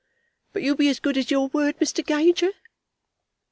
But you'll be as good as your word, Mr. Gager?"